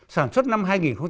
sản xuất năm hai nghìn một mươi